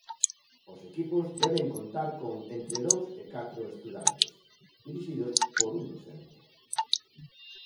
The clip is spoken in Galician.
Os equipos deben contar con entre dous e catro estudantes, dirixidos por un docente.